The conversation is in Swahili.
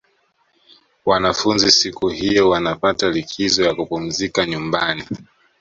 wanafunzi siku hiyo wanapata likizo ya kupumzika nyumbani